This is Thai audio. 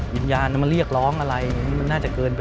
ยินยานมันเรียกร้องอะไรมันน่าจะเกินไป